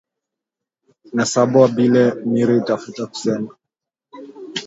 Nasabwa bile miri tafuta kusema